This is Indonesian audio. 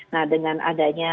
nah dengan adanya